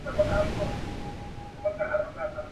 چي كوڅې يې وې ښايستې په پېغلو حورو.